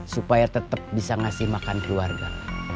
supaya tetap bisa ngasih makan keluarga